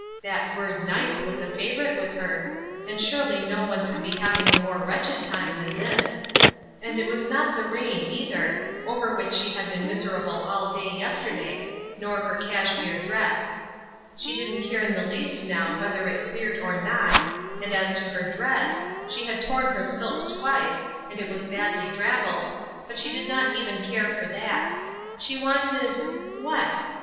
That word "nice" was a favorite with her, and surely no one could be having a more wretched time than this; and it was not the rain, either, over which she had been miserable all day yesterday, nor her cashmere dress; she didn't care in the least now whether it cleared or not; and as to her dress, she had torn her silk twice, and it was sadly drabbled, but she did not even care for that; she wanted what?